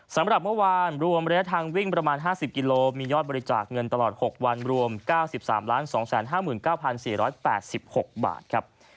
สำหรับเมื่อวานรวมระยะทางวิ่งประมาณ๕๐กิโลมียอดบริจาคเงินตลอด๖วันรวม๙๓๒๕๙๔๘๖บาทครับ